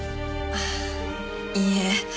あいいえ。